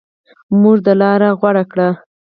موږ دا لاره غوره کړه.